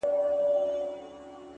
نور دي نو شېخاني كيسې نه كوي _